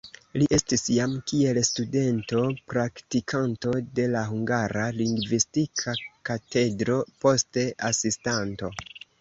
Li estis jam kiel studento praktikanto de la Hungara Lingvistika Katedro, poste asistanto.